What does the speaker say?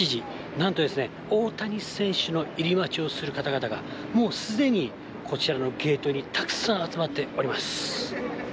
なんとですね、大谷選手の入り待ちをする方々が、もうすでにこちらのゲートにたくさん集まっております。